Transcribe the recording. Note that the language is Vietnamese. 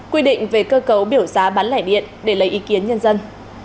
quy định về cơ cấu biểu giá bán lẻ điện để lấy ý kiến nhân dân